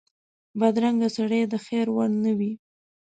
بدرنګه سړی د خیر وړ نه وي